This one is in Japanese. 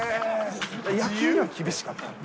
野球には厳しかった？